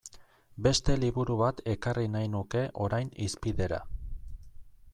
Beste liburu bat ekarri nahi nuke orain hizpidera.